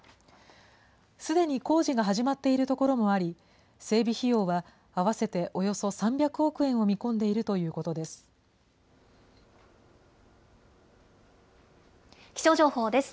すでに工事が始まっているところもあり、整備費用は合わせておよそ３００億円を見込んでいるとい気象情報です。